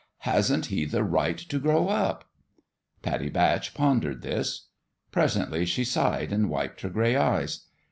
" Hasn't he the right to grow up ?" Pattie Batch pondered this. Presently she sighed and wiped her gray eyes.